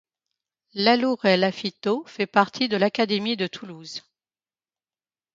Lalouret-Laffiteau fait partie de l'académie de Toulouse.